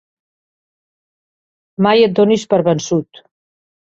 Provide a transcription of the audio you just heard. Mai et donis per vençut.